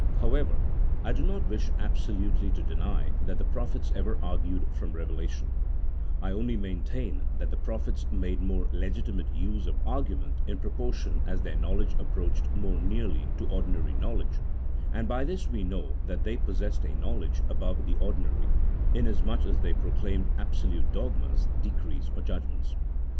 However, I do not wish absolutely to deny that the prophets ever argued from revelation ; I only maintain that the prophets made more legitimate use of argument in pro portion as their knowledge approached more nearly to ordinary knowledge, and by this we know that they pos sessed a knowledge above the ordinary, inasmuch as they proclaimed absolute dogmas, decrees, or judgments.